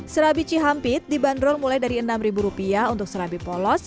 serabici hapit dibanderol mulai dari enam rupiah untuk serabi polos